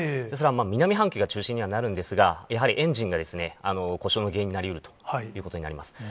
ですが南半球が中心にはなるんですが、やはりエンジンが故障の原因になりうるということになります。